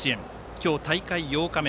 今日大会８日目。